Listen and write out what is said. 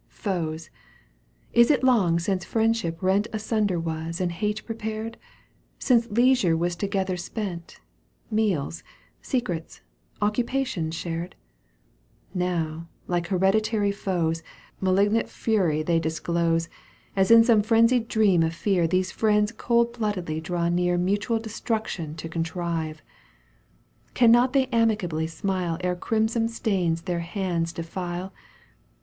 Foes ! Is it long since friendship rent Asunder was and hate prepared ? Since leisure was together spent, Meals, secrets, occupations shared ? Now, like hereditary foes, Malignant fury they disclose. As in some frenzied dream of fear These Mends cold bloodedly draw near Mutual destruction to contrive. Cannot they amicably smile Ere crimson stains their hands defile.